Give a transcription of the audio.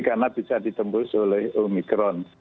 karena bisa ditembus oleh omikron